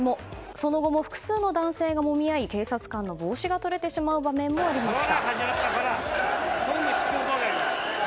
その後も複数の男性がもみ合い警察官の帽子が取れてしまう場面もありました。